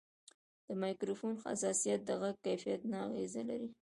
د مایکروفون حساسیت د غږ کیفیت ته اغېز لري.